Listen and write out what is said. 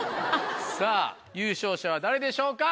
さぁ優勝者は誰でしょうか？